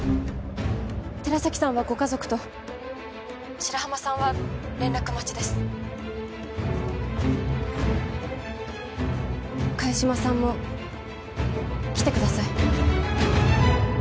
寺崎さんはご家族と☎白浜さんは連絡待ちです萱島さんも来てください